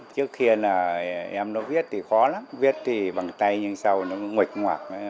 trước khi em nó viết thì khó lắm viết thì bằng tay nhưng sau nó nguệt ngoạc